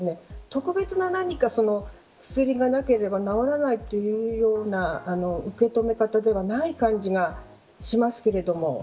特別な何か薬がなければ治らないというような受け止め方ではない感じがしますけれども。